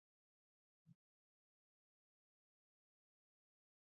پر مسلمانانو ظلم مه کوه، الله ظالمان نه خوښوي.